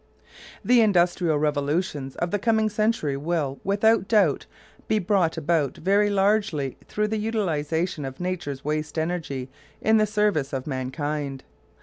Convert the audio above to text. The industrial revolutions of the coming century will, without doubt, be brought about very largely through the utilisation of Nature's waste energy in the service of mankind.